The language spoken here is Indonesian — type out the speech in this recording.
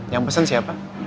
yang pesen siapa